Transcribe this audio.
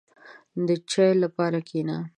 • د چای لپاره کښېنه.